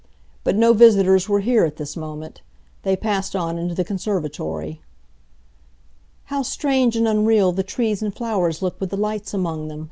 But no visitors were here at this moment. They passed on into the conservatory. "How strange and unreal the trees and flowers look with the lights among them!"